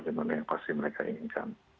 dimana yang pasti mereka inginkan